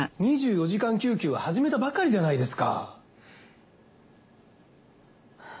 ２４時間救急は始めたばかりじゃないですか。